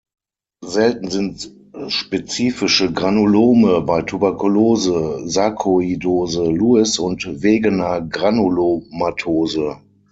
Selten sind spezifische Granulome bei Tuberkulose, Sarkoidose, Lues und Wegener-Granulomatose.